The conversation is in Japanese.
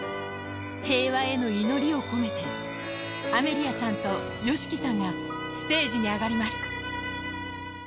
平和への祈りを込めて、アメリアちゃんとＹＯＳＨＩＫＩさんがステージに上がります。